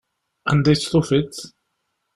Anda i tt-tufiḍ?